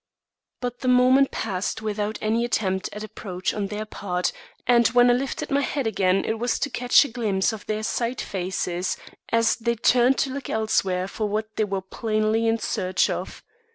But the moment passed without any attempt at approach on their part, and when I lifted my head again it was to catch a glimpse of their side faces as they turned to look elsewhere for what they were plainly in search of.